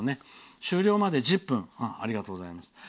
終了まで１０分ありがとうございます。